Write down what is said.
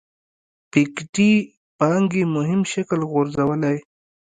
پيکيټي پانګې مهم شکل غورځولی.